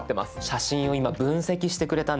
写真を今分析してくれたんです。